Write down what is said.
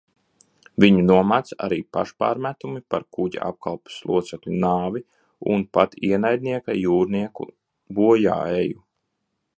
Viņu nomāc arī pašpārmetumi par kuģa apkalpes locekļu nāvi un pat ienaidnieka jūrnieku bojāeju.